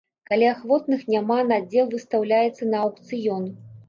Калі ахвотных няма, надзел выстаўляецца на аўкцыён.